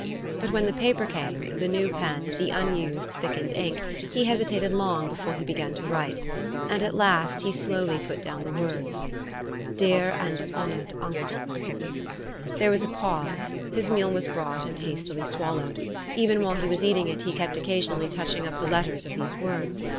But when the paper came, the new pen, the unused thickened ink, he hesitated long before he began to write; and at last he slowly put down the words, 'DEAR AND HONOURED UNCLE,' There was a pause; his meal was brought and hastily swallowed. Even while he was eating it, he kept occasionally touching up the letters of these words.